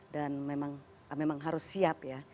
dan memang harus siap ya